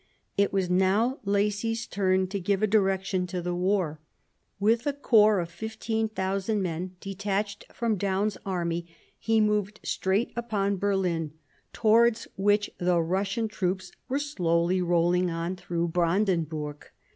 It was now Lacy 's turn to give a direction to the war. With a corps of 15,000 men detached from Daun's army, he moved straight upon Berlin, towards which the Kussian troops were slowly rolling on through Brandenburg.